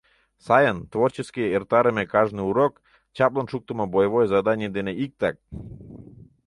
Сайын, творчески эртарыме кажне урок — чаплын шуктымо боевой заданий дене иктак!